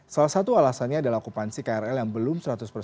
salah satu alasannya adalah kupansi krl yang belum seratus